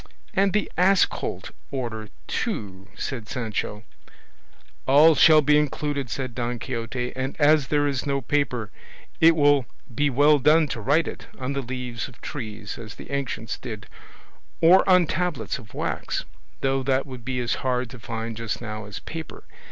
"And the ass colt order too," added Sancho. "All shall be included," said Don Quixote; "and as there is no paper, it would be well done to write it on the leaves of trees, as the ancients did, or on tablets of wax; though that would be as hard to find just now as paper.